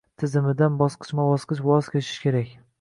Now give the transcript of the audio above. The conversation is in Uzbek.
Tizimidan bosqichma-bosqich voz kechish kerak